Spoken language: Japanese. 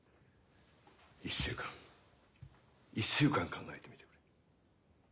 １週間１週間考えてみてくれ。